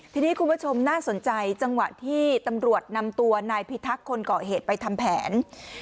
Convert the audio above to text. ทีนี้คุณผู้ชมน่าสนใจจังหวะที่ตำรวจนำตัวนายพิทักษ์คนเกาะเหตุไปทำแผน